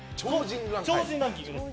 超人ランキングです。